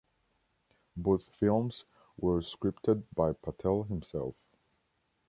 Both films were scripted by Patel himself.